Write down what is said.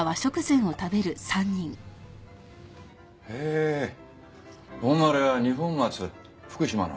へえお生まれは二本松福島の。